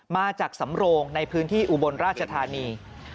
มาจากสำโรงในพื้นที่อุบลราชธานี